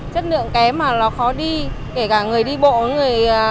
chất lượng kém mà nó khó đi kể cả người đi bộ người